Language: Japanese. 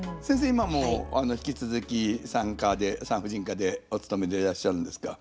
今も引き続き産婦人科でお勤めでいらっしゃるんですか？